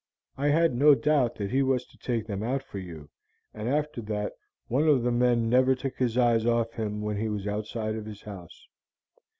I had no doubt that he was to take them out for you, and after that one of the men never took his eyes off him when he was outside of his house.